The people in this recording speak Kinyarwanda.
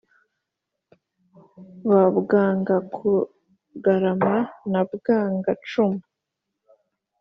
ba bwanga-kugarama na bwanga-cumu,